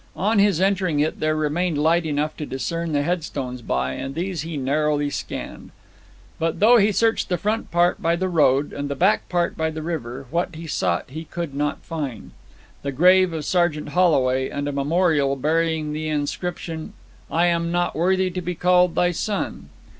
On his entering it there remained light enough to discern the headstones by, and these he narrowly scanned. But though he searched the front part by the road, and the back part by the river, what he sought he could not find the grave of Sergeant Holway, and a memorial bearing the inscription: 'I AM NOT WORTHY TO BE CALLED THY SON.'